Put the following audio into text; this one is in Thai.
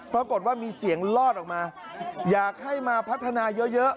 ปรากฏว่ามีเสียงลอดออกมาอยากให้มาพัฒนาเยอะ